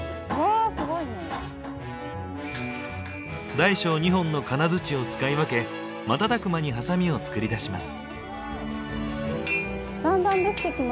大小２本の金づちを使い分け瞬く間にハサミを作り出します。